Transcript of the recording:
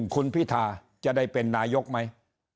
คุณพิธาจะได้เป็นนายกไหม